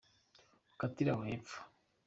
ukatire aho hepfo.